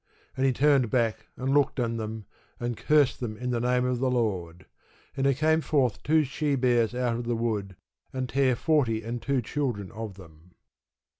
And he turned back, and looked on them, and cursed them in the name of the Lord. And there came forth two she bears out of the wood, and tare forty and two children of them.